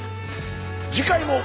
次回も。